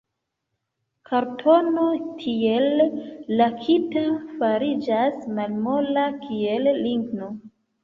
Kartono, tiel lakita, fariĝas malmola, kiel ligno.